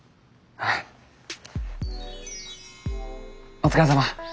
お疲れさま。